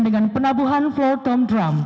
dengan penabuhan floor tom drum